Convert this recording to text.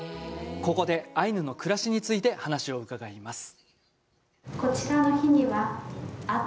ここでアイヌの暮らしについて話を伺います。